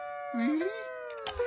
え？